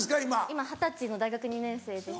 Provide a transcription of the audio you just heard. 今二十歳の大学２年生です。